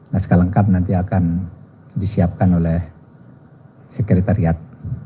nah sekalengkap nanti akan disiapkan oleh sekretariat